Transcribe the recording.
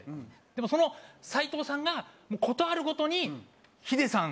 でもその斎藤さんが事あるごとに「ヒデさん